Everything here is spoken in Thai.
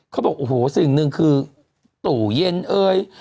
เขาบอกโอ้โหสิ่งหนึ่งคือตู้เย็นเอ่ย